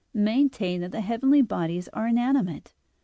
ii) maintain that the heavenly bodies are inanimate.